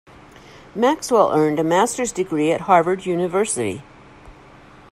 Maxwell earned a master's degree at Harvard University.